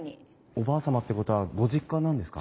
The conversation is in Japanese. おばあ様ってことはご実家なんですか？